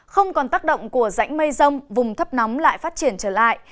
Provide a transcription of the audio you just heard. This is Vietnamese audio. không còn tác động của rãnh mây rông vùng thấp nóng lại phát triển trở lại